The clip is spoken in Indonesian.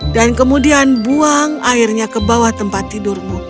dan kemudian buang airnya ke bawah tempat tidurmu